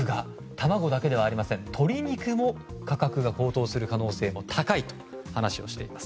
卵だけではありません、鶏肉も高騰する可能性が高いと話をしています。